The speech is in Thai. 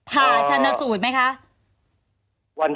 ผ่าชันสูตรไหมคะ